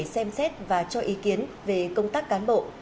xem xét và cho ý kiến về công tác cán bộ